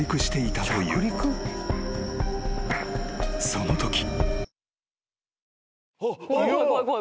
［そのとき］